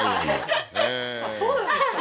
あっそうなんですか？